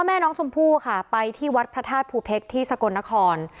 แม่น้องชมพู่ค่ะไปที่วัดพระธาตุภูเพชรที่สกลนคร